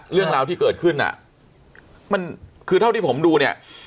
เรื่องราวที่เกิดขึ้นอ่ะมันคือเท่าที่ผมดูเนี่ย